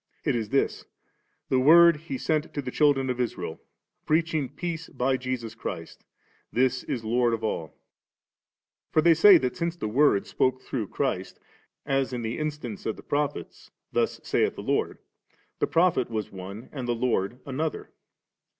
It is this :* The Word He sent to the children of Israel, preaching peace by Jesus Christ ; this is Lord of all 7/ For they say that since the Word spoke through Christ, as in the instance of the Prophets, ' Thus saith the Lord,' the prophet was one and the Ix)rd another.